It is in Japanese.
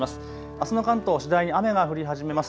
あすの関東次第に雨が降り始めます。